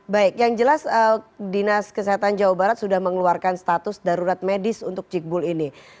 baik yang jelas dinas kesehatan jawa barat sudah mengeluarkan status darurat medis untuk cikbul ini